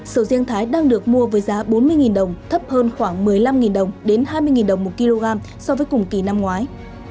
sầu riêng thái đang được mua với giá bốn mươi đồng thấp hơn khoảng một mươi năm đồng đến hai mươi đồng một kg so với cùng kỳ năm ngoái